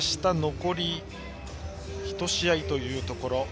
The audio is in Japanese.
残り１試合というところ。